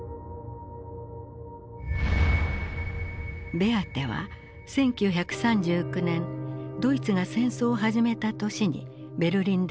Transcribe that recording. ベアテは１９３９年ドイツが戦争を始めた年にベルリンで生まれた。